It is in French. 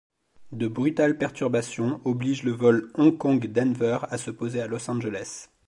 De brutales perturbations obligent le vol Hong Kong-Denver à se poser à Los Angeles.